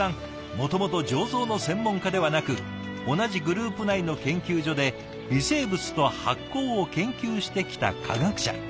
もともと醸造の専門家ではなく同じグループ内の研究所で「微生物と発酵」を研究してきた科学者。